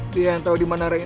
dia yang tahu di mana rain